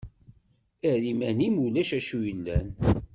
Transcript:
Err iman-im ulac acu yellan.